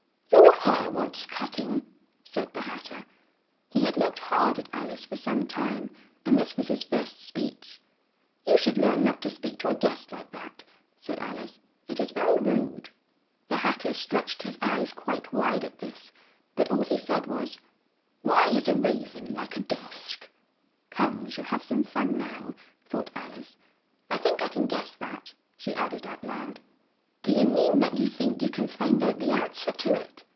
"Your hair wants cut ting," said the Hat ter. He had looked hard at Al ice for some time, and this was his first speech. "You should learn not to speak to a guest like that," said Al ice; "it is ve ry rude." The Hat ter stretched his eyes quite wide at this; but all he said was, "Why is a rav en like a desk?" "Come, we shall have some fun now," thought Al ice. "I think I can guess that," she added out loud. "Do you mean that you think you can find out the an swer to it?"